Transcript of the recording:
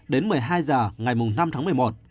đến một mươi hai h ngày năm tháng một mươi một